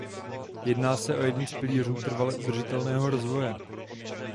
Jedná se o jeden z pilířů trvale udržitelného rozvoje.